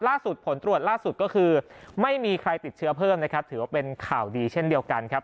ผลตรวจล่าสุดก็คือไม่มีใครติดเชื้อเพิ่มนะครับถือว่าเป็นข่าวดีเช่นเดียวกันครับ